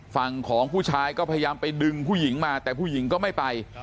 ฝั่งของผู้ชายก็พยายามไปดึงผู้หญิงมาแต่ผู้หญิงก็ไม่ไป